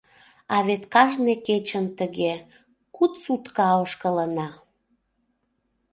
А вет кажне кечын тыге — куд сутка ошкылына.